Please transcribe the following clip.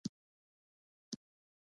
زه میر بازار ته ډېر راتلم.